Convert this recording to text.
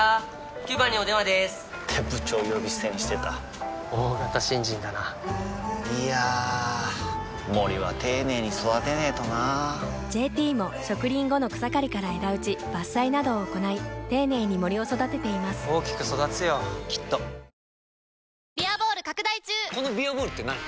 ９番にお電話でーす！って部長呼び捨てにしてた大型新人だないやー森は丁寧に育てないとな「ＪＴ」も植林後の草刈りから枝打ち伐採などを行い丁寧に森を育てています大きく育つよきっとこの「ビアボール」ってなに？